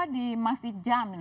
di mas ijam